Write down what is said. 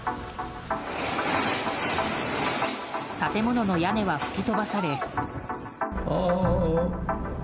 建物の屋根は吹き飛ばされ。